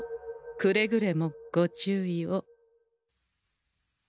くれぐれもご注意を。